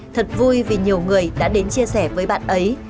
thật vui vì nhiều người đã đến chia sẻ với bạn ấy